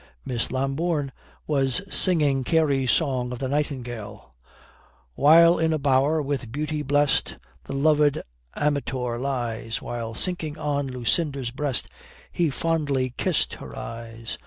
Miss Lambourne was singing Carey's song of the nightingale: "While in a Bow'r with beauty blest The lov'd Amintor lies, While sinking on Lucinda's breast He fondly kiss'd her Eyes.